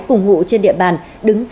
cùng ngụ trên địa bàn